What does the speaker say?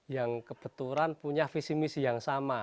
yang kebetulan punya visi misi yang sama